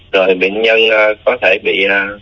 rồi bệnh nhân có thể bị